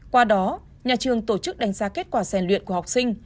qua đó nhà trường tổ chức đánh giá kết quả rèn luyện của học sinh